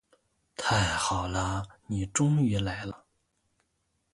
太好了，你终于来了。